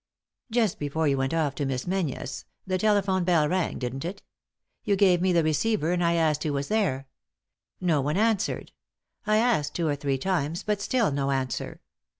" Just before you went off to Miss Menzies the tele phone bell rang, didn't it ? You gave me the receiver, and I asked who was there. No one answered. I asked two or three times, but still no answer.